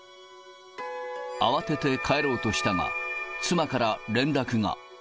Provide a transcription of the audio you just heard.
慌てて帰ろうとしたが、妻から連絡が。